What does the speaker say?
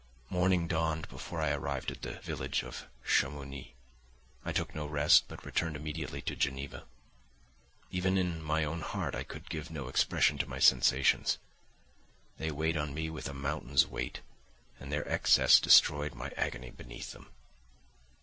Morning dawned before I arrived at the village of Chamounix; I took no rest, but returned immediately to Geneva. Even in my own heart I could give no expression to my sensations—they weighed on me with a mountain's weight and their excess destroyed my agony beneath them.